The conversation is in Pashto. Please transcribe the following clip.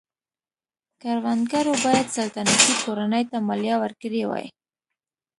کروندګرو باید سلطنتي کورنۍ ته مالیه ورکړې وای.